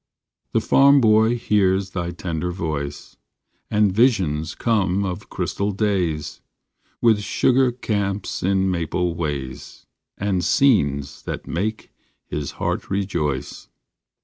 The farm boy hears thy tender voice, And visions come of crystal days, With sugar camps in maple ways, And scenes that make his heart rejoice.